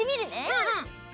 うん。